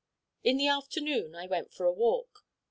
In the afternoon I went for a walk.